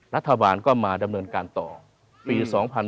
รัฐบาลก็มาดำเนินการต่อปี๒๕๕๙